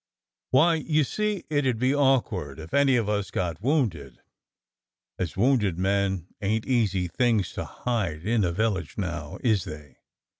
"Why, you see it 'ud be awkward if any of us got wounded, as wounded men ain't easy things to hide in a village now, is they?